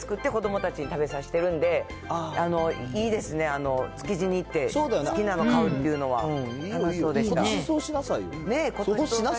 好きなやつだけ５品とかを大量に作って、子どもたちに食べさせてるんで、いいですね、あの築地に行って好きなの買うっていうのは、楽しそうでした。